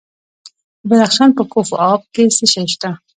د بدخشان په کوف اب کې څه شی شته؟